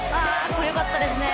これよかったですね。